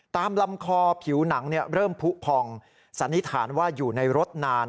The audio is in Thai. ตามลำคอผิวหนังเริ่มผู้พองสันนิษฐานว่าอยู่ในรถนาน